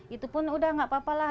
itu pun udah gak apa apa lah